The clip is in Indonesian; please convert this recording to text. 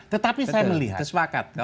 tetapi saya melihat